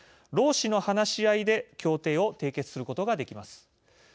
労使の話し合いで協定を締結することができます。